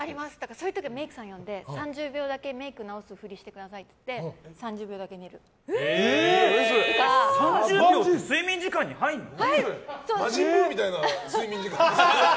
そういう時はメイクさんを呼んで３０秒だけメイク直すふりしてくださいって言って３０秒って睡眠時間に入るの？